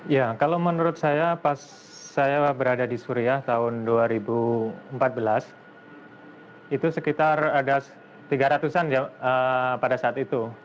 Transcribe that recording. ya kalau menurut saya pas saya berada di suriah tahun dua ribu empat belas itu sekitar ada tiga ratus an ya pada saat itu